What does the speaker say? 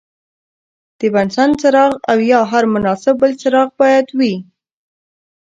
د بنسن څراغ او یا هر مناسب بل څراغ باید وي.